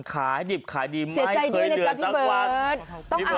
ขายดิบขายดีไม่เคยเดือดทั้งวัน